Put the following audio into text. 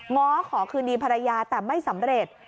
ง้อขอคืนดีภรรยาแต่ไม่สำเร็จ